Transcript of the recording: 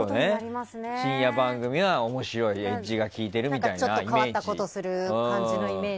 深夜番組は、面白いエッジが効いてるみたいなイメージ。